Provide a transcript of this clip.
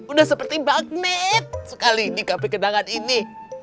udah seperti magnet sekali ini sampai ke tangan ini